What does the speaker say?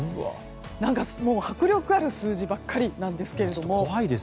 何かもう迫力ある数字ばかりなんですけれども。